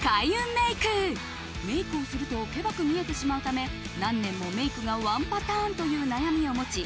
メイクをするとケバく見えてしまうため何年もメイクがワンパターンという悩みを持ち